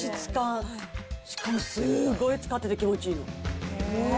しかもすごい使ってて気持ちいいの。